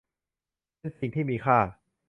เป็นสิ่งที่มีค่า